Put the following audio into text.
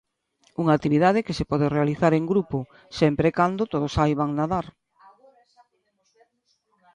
Unha actividade que se pode realizar en grupo, sempre e cando todos saiban nadar.